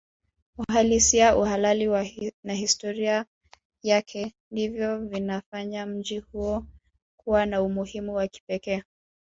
Uhalisia uhalali na historia yake ndivyo vinafanya mji huo kuwa na umuhimu wa kipekee